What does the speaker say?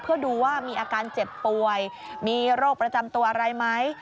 เพื่อดูว่ามีอาการเจ็บป่วยมีโรคประจำตัวอะไรไหม